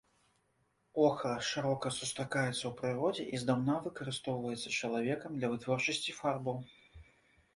Охра шырока сустракаецца ў прыродзе і здаўна выкарыстоўваецца чалавекам для вытворчасці фарбаў.